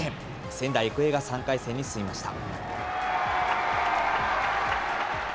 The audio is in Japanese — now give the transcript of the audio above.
仙台育英が３回戦に進みました。